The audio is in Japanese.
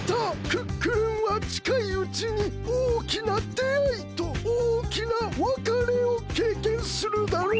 クックルンはちかいうちにおおきなであいとおおきなわかれをけいけんするだろう。